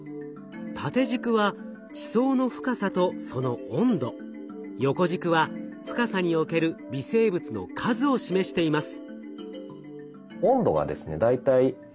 縦軸は地層の深さとその温度横軸は深さにおける微生物の数を示しています。